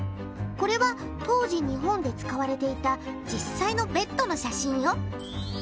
これは当時日本で使われていた実際のベッドの写真よ。